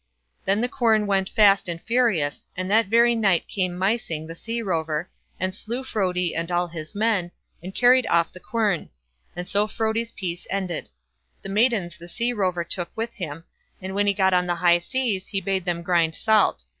Then the quern went fast and furious, and that very night came Mysing the Sea rover, and slew Frodi and all his men, and carried off the quern; and so Frodi's peace ended. The maidens the sea rover took with him, and when he got on the high seas he bade them grind salt.